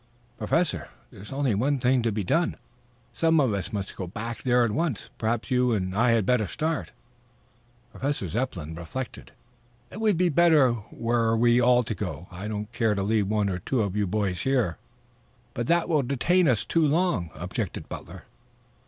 "Professor, there is only one thing to be done. Some of us must go back there at once. Perhaps you and I had better start." Professor Zepplin reflected. "It would be better were we all to go. I don't care to leave one or two of you boys here." "But that will detain us too long," objected Butler.